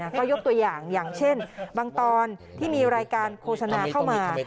ก็ยกตัวอย่างอย่างเช่นบางตอนที่มีรายการโฆษณาเข้ามา